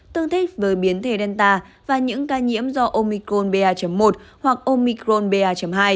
tương thích với biến thể delta và những ca nhiễm do omicol ba một hoặc omicron ba hai